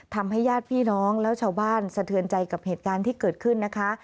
ญาติพี่น้องแล้วชาวบ้านสะเทือนใจกับเหตุการณ์ที่เกิดขึ้นนะคะ